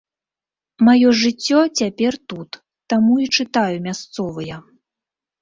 Маё жыццё цяпер тут, таму і чытаю мясцовыя.